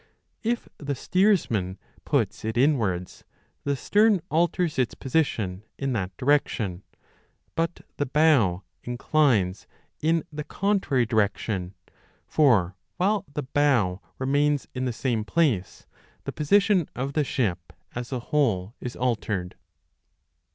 If the steersman puts it inwards, the stern alters its position in that direction, but the bow inclines in the contrary direction ; for while the bow remains in the same place, the position of the ship as a whole is altered.